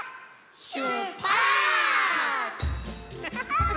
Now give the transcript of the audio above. しゅっぱつ！